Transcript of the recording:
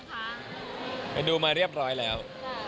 มานั่นเตือนดูมาเรียบร้อยแล้ว